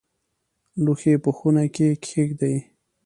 لوښي په خونه کې کښېږدئ